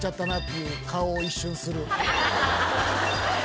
いう顔を一瞬する。